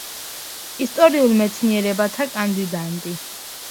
ისტორიულ მეცნიერებათა კანდიდატი.